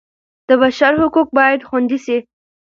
د بشر حقوق باید خوندي سي.